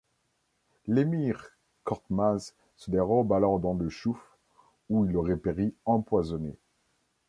L'émir Korkmaz se dérobe alors dans le Chouf, où il aurait péri empoisonné.